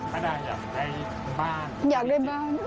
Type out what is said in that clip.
ป้าดาอยากได้บ้าน